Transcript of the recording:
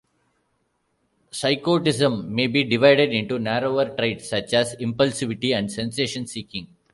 Psychoticism may be divided into narrower traits such as impulsivity and sensation-seeking.